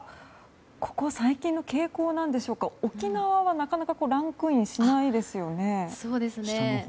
ここ最近の傾向でしょうか沖縄はなかなかランクインしないですよね。